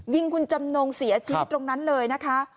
ยิงคุณจำนงเสียชีวิตตรงนั้นเลยนะคะ